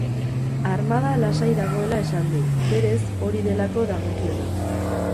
Armada lasai dagoela esan du, berez hori delako dagokiona.